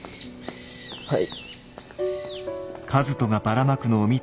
はい。